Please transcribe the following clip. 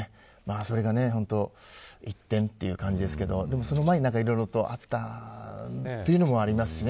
それが、一転という感じですけどその前にいろいろあったというのもありますしね。